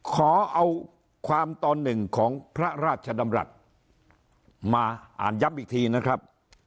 ขอเอาความตอนหนึ่งของพระราชดำรัฐมาอ่านย้ำอีกทีนะครับ